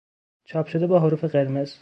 چاپ شده با حروف قرمز